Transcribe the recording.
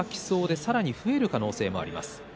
さらに増える可能性もあります。